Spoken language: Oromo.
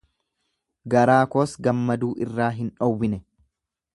garaa koos gammaduu irraa hin dhowwine;